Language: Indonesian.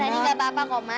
rani enggak apa apa kok ma